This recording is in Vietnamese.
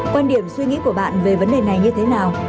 quan điểm suy nghĩ của bạn về vấn đề này như thế nào